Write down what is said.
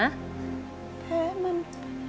แผลมัน